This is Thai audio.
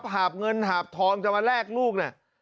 หาบเงินหาบทองจะมาแลกลูก